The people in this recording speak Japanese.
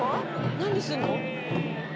何すんの？